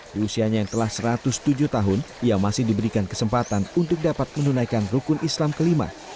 di usianya yang telah satu ratus tujuh tahun ia masih diberikan kesempatan untuk dapat menunaikan rukun islam kelima